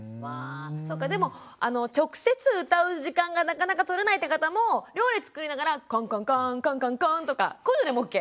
そっかでも直接歌う時間がなかなか取れないって方も料理作りながら「コンコンコンコンコンコン」とかこういうのでもオッケー？